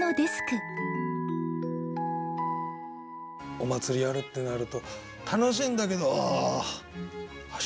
お祭りやるってなると楽しいんだけど「ああ明日